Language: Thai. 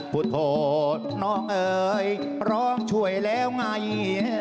พูดโทษน้องเอ๋ยร้องช่วยแล้วไง